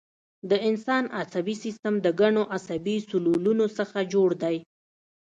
د انسان عصبي سیستم د ګڼو عصبي سلولونو څخه جوړ دی